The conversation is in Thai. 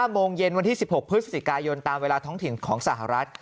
โมงเย็นวันที่๑๖พฤศจิกายนตามเวลาท้องถิ่นของสหรัฐ